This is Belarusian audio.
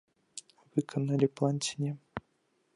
Выканалі план ці не.